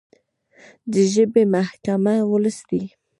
د ژبې محکمه ولس دی.